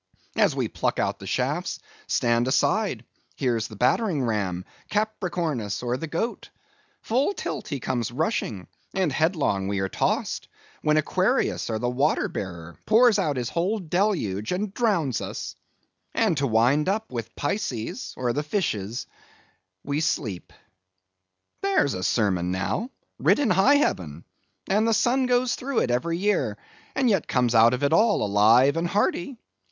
As we pluck out the shafts, stand aside! here's the battering ram, Capricornus, or the Goat; full tilt, he comes rushing, and headlong we are tossed; when Aquarius, or the Water bearer, pours out his whole deluge and drowns us; and to wind up with Pisces, or the Fishes, we sleep. There's a sermon now, writ in high heaven, and the sun goes through it every year, and yet comes out of it all alive and hearty.